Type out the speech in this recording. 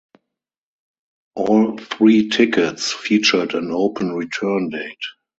All three tickets featured an open return date.